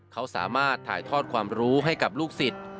เขาสามารถถ่ายทอดความรู้ให้กับลูกศิษย์